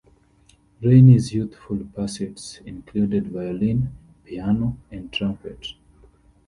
Rainey's youthful pursuits included violin, piano and trumpet.